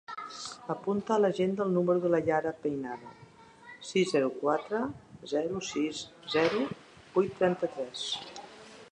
Apunta a l'agenda el número de la Yara Peinado: sis, zero, quatre, zero, sis, zero, vuit, trenta-tres.